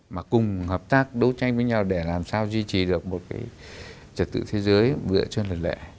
mà cùng hợp tác đấu tranh với nhau để làm sao duy trì được một cái trật tự thế giới vừa trên lần lệ